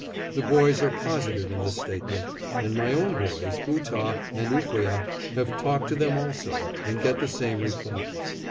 The boys are positive in this statement, and my own boys, Ootah and Ooqueah, have talked to them also, and get the same replies.